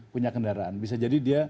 punya kendaraan bisa jadi dia